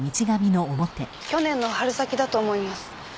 去年の春先だと思います。